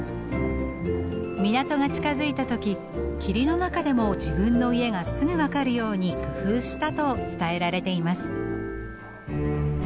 港が近づいた時霧の中でも自分の家がすぐ分かるように工夫したと伝えられています。